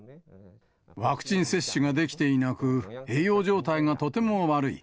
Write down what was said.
ワクチン接種ができていなく、栄養状態がとても悪い。